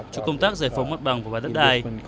cho công tác giải phóng mặt bằng của bãi đất đài